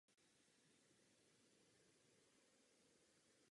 Viz také tabulka Označení lahví technických plynů.